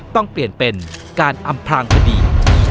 ต้องเปลี่ยนเป็นการอำพลางคดี